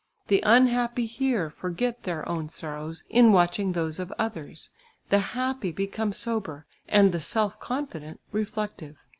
The unhappy here forget their own sorrows in watching those of others, the happy become sober, and the self confident, reflective.